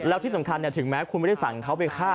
แล้วที่สำคัญถึงแม้คุณไม่ได้สั่งเขาไปฆ่า